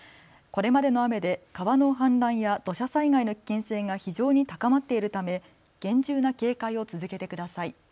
これまでの雨で川の氾濫や土砂災害の危険性が非常に高まっているため厳重な警戒を続けてください。